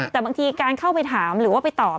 แต่บางทีการเข้าไปถามหรือว่าไปตอบ